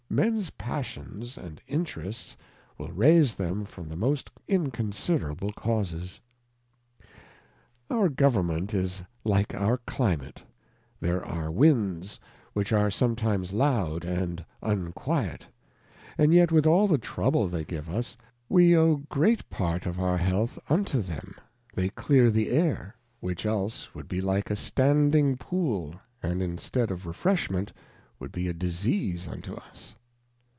Mens Passions and Interests will raise them from the most inconsiderable Causes. Our Government is like our Climate, there are Winds which are sometimes loud and unquiet, and yet with all the Trouble they give us, we owe great part of our Health unto them, they clear the Air, which else would be like a standing Pool and in stead of Refreshment would be a Disease unto us.